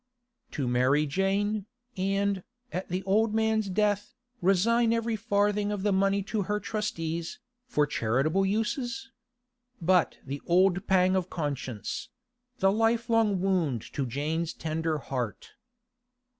To marry Jane, and, at the old man's death, resign every farthing of the money to her trustees, for charitable uses?—But the old pang of conscience; the lifelong wound to Jane's tender heart.